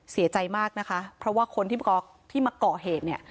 เสียใจมากนะคะเพราะว่าคนที่มาก่อเหตุเนี่ย